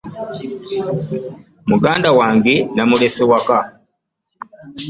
Muganda wange namulese waka.